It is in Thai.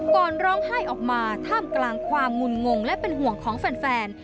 ก่อนร้องไห้ออกมาท่ามกลางความงุนงงและเป็นห่วงของแฟน